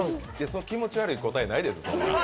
そんな気持ち悪い答えないです。